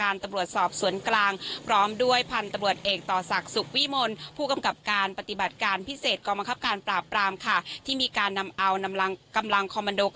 ร้องผู้บัญชาการตรวจสอบสวรรค์กลาง